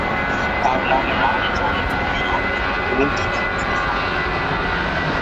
তার নাম রামচন্দ্র সিরাজ এবং তিনি একজন সমকামী।